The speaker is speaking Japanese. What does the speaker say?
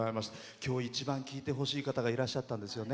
きょう一番聴いてほしい方がいらっしゃったんですよね？